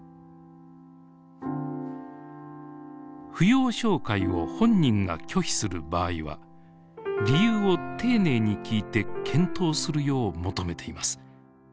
扶養照会を本人が拒否する場合は理由を丁寧に聞いて検討するよう求めています。